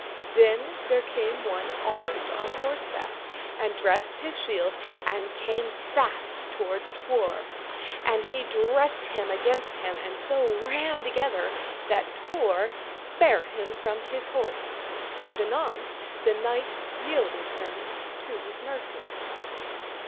Then there came one armed on horseback, and dressed his shield, and came fast toward Tor, and he dressed him against him, and so ran together that Tor bare him from his horse. And anon the knight yielded him to his mercy.